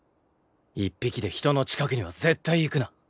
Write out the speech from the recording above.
一匹で人の近くには絶対行くな。